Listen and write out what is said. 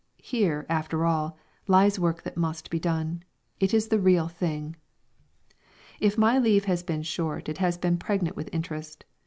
Here, after all, lies work that must be done. It is the Real Thing. If my leave has been short it has been pregnant with interest.